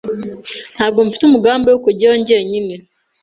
Ntabwo mfite umugambi wo kujyayo jyenyine.